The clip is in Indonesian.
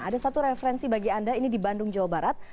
ada satu referensi bagi anda ini di bandung jawa barat